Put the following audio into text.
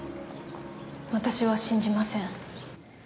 私は信じません。